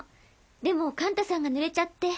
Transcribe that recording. でもカンタさんがぬれちゃって。